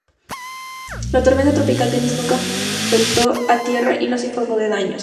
La tormenta tropical Dennis nunca afectó a tierra y no se informó de daños.